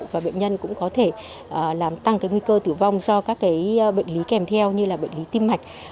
và bệnh nhân cũng có thể làm tăng nguy cơ tử vong do các cái bệnh lý kèm theo như là bệnh lý tim mạch